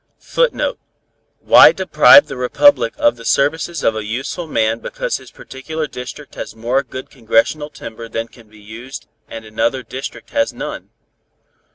[Footnote: Why deprive the Republic of the services of a useful man because his particular district has more good congressional timber than can be used and another district has none?